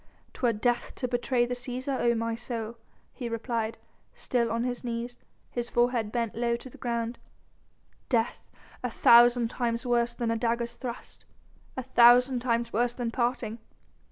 "'Twere death to betray the Cæsar, O my soul!" he replied, still on his knees, his forehead bent low to the ground, "Death, a thousand times worse than a dagger's thrust ... a thousand times worse than parting."